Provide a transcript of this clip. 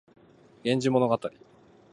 源氏物語